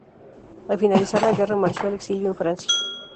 Al finalizar la guerra marchó al exilio en Francia.